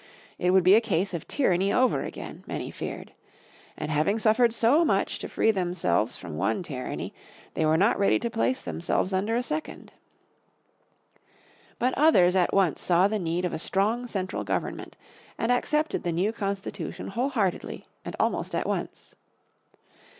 It would be a case of tyranny over again, many feared. And, having suffered so much to free themselves from one tyranny, they were not ready to place themselves under a second. But others at once saw the need of a strong central government and accepted the new Constitution whole heartedly and almost at once.